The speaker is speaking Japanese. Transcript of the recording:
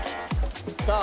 さあ。